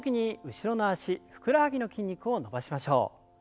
後ろの脚ふくらはぎの筋肉を伸ばします。